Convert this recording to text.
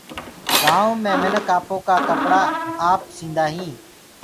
گآئونٚ مي منک آپو ڪآ ڪپڙآ آپ سيندآ هينٚ۔